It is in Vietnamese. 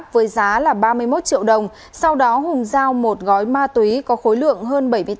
với giá ba mươi một triệu đồng sau đó hùng giao một gói ma túy có khối lượng hơn bảy mươi tám triệu đồng